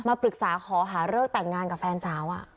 ปรึกษาขอหาเลิกแต่งงานกับแฟนสาว